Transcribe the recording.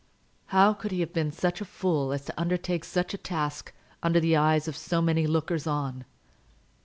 How could he have been such a fool as to undertake such a task under the eyes of so many lookers on?